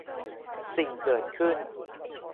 สิ่งเกิดขึ้น